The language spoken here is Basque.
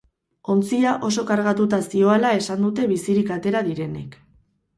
Ontzia oso kargatuta zihoala esan dute bizirik atera direnek.